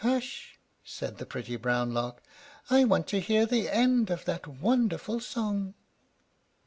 "Hush!" said the pretty brown Lark. "I want to hear the end of that wonderful song."